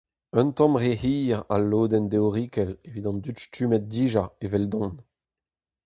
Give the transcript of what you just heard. Un tamm re hir al lodenn deorikel evit an dud stummet dija eveldon…